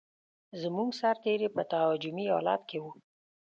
زموږ سرتېري په تهاجمي حالت کې و.